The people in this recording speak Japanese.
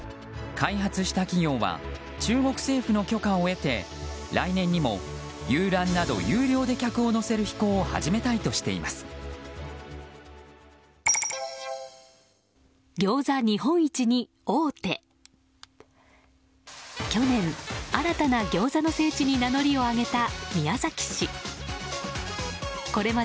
開発した企業は中国政府の許可を得て来年にも遊覧など有料で客を乗せる飛行を始めたいとしています。